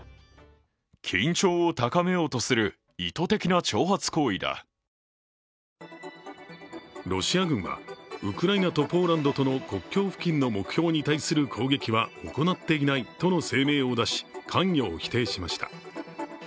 ロシア国防省はロシア軍はウクライナとポーランドとの国境付近の目標に対する攻撃は行っていないとの声明を出し、関与を否定しました。